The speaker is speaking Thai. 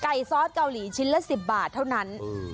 ไก่ซอสเกาหลีชิ้นละสิบบาทเท่านั้นอืม